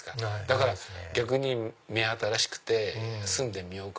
だから逆に目新しくて住んでみようか！